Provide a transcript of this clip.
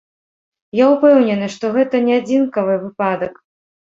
Я ўпэўнены, што гэта не адзінкавы выпадак.